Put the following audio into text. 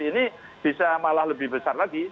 ini bisa malah lebih besar lagi